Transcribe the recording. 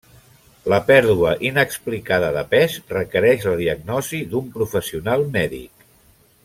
La pèrdua inexplicada de pes requereix la diagnosi d'un professional mèdic.